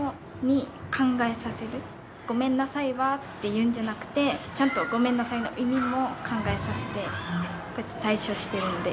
「ごめんなさいは？」って言うんじゃなくてちゃんと「ごめんなさい」の意味も考えさせてこうやって対処しているので。